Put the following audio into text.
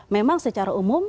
memang secara umum